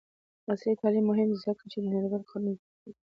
عصري تعلیم مهم دی ځکه چې د نړیوال قانون زدکړه کوي.